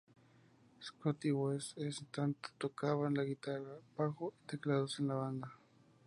Scott y Wes en tanto tocaban la guitarra, bajo y teclados en la banda.